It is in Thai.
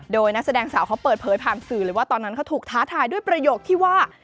โดยนักแสดงสาวเขาเปิดเผยผ่านสื่อเลยว่าตอนนั้นเขาถูกท้าทายด้วยประโยคที่ว่า